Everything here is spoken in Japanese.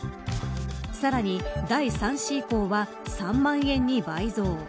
さらに第３子以降は３万円に倍増。